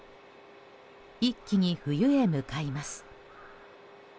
一気に冬へ向かいます。